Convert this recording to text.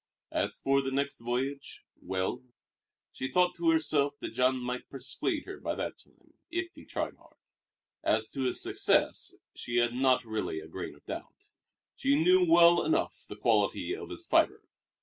As for the next voyage well, she thought to herself that Jean might persuade her by that time, if he tried hard. As to his success she had not really a grain of doubt. She knew well enough the quality of his fibre.